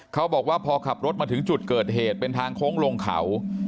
เขาบอกว่าพอขับรถมาถึงจุดเกิดเหตุเป็นทางโค้งลงเขา